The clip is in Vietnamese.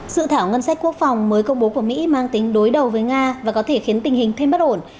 sự thảo ngân sách quốc phòng mới công bố của mỹ mang tính đối đầu với nga và có thể khiến tình hình thêm bất ổn